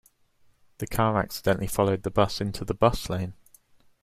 The car accidentally followed the bus into the bus lane.